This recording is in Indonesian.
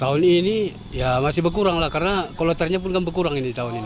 tahun ini ya masih berkurang lah karena kalau tarifnya pun kan berkurang ini tahun ini